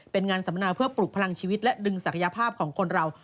เป็นงานสัมมนาเพื่อปลุกพลังชีวิตและดึงศักยภาพของคนเรา